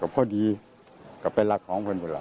กับพ่อดีกับเป็นลักของคนผู้หลัก